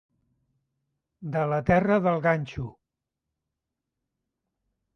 De la terra del ganxo.